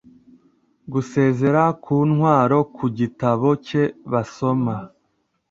Gusezera ku ntwaroKu gitabo cye basoma